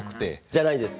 じゃないです。